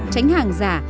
tránh hàng giả